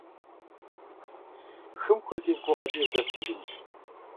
«Хым хуэдиз» гукъэкӀыж здэсхьыжынщ.